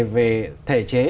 về thể chế